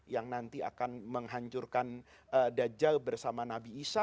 yang nanti akan menghancurkan dajal bersama nabi isa